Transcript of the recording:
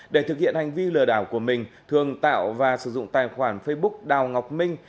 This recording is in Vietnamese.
để thực hiện hành vi lừa đảo của mình thường tạo và sử dụng tài khoản facebook đào ngọc minh